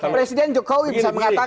presiden jokowi bisa mengatakan